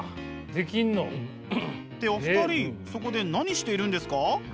できんの？ってお二人そこで何しているんですか？